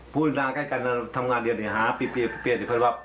พูดถึงนางใกล้กันทำงานเดียวหาปรีบเพราะว่า